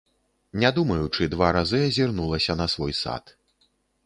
Не думаючы, два разы азірнулася на свой сад.